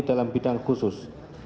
dalam bidang khusus